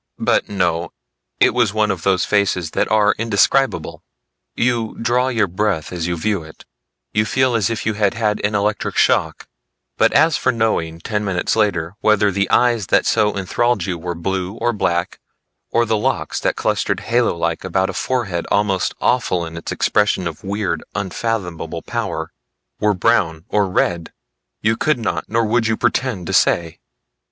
But no, it was one of those faces that are indescribable. You draw your breath as you view it; you feel as if you had had an electric shock; but as for knowing ten minutes later whether the eyes that so enthralled you were blue or black, or the locks that clustered halo like about a forehead almost awful in its expression of weird, unfathomable power, were brown or red, you could not nor would you pretend to say.